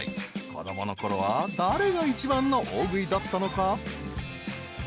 子供のころは誰が一番の大食いだったのか？］